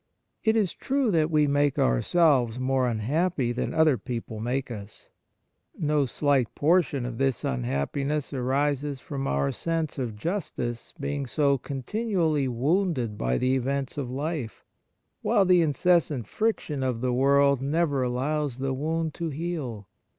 It is true that we make ourselves more unhappy than other people make us. No slight portion of this unhappiness arises from our sense of justice being so continu ally wounded by the events of life, while the incessant friction of the world never allows the wound to heal.